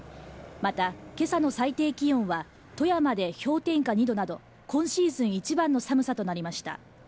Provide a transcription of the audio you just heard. また、今朝の最低気温は富山で氷点下２度など、今シーズン一番の寒さとなりました。